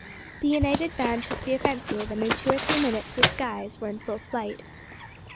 The united band took the offensive, and in two or three minutes the "skies" were in full flight.